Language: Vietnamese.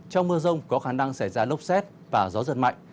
trong mưa rông có khả năng xảy ra lốc xét và gió giật mạnh